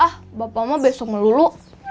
ah bapak mah besok melulu